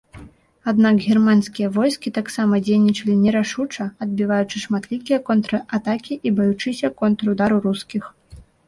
Аднак германскія войскі таксама дзейнічалі нерашуча, адбіваючы шматлікія контратакі і баючыся контрудару рускіх.